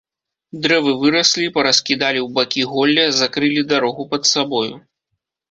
Дрэвы выраслі, параскідалі ў бакі голле, закрылі дарогу пад сабою.